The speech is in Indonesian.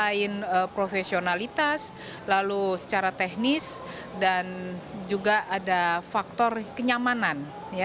ada variabel pengukur itu selain profesionalitas lalu secara teknis dan juga ada faktor kenyamanan